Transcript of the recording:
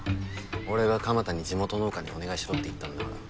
俺が蒲田に地元農家にお願いしろって言ったんだから。